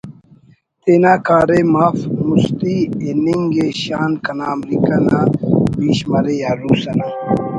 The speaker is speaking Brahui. تینا کاریم اف مُستی ہِننگ ءِ شان کنا امریکہ نا بیش مرے یا روس انا